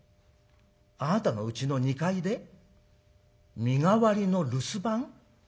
あなたのうちの２階で身代わりの留守番？